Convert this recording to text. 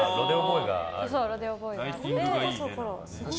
ロデオボーイがあって。